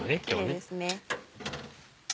キレイですね。